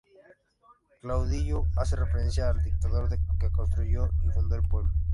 Caudillo hace referencia al dictador que construyó y fundó el pueblo.